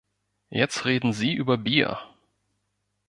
Jetzt reden Sie über Bier!